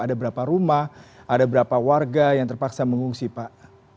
ada berapa rumah ada berapa warga yang terpaksa mengungsi pak